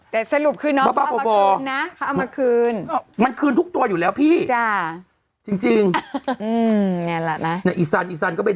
แต่สรุปคือน้องพ่อพ่อคืนนะเขาเอามาคืน